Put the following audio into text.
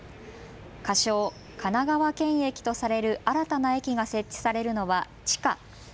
仮称、神奈川県駅とされる新たな駅が設置されるのは地下。